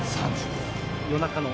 夜中の？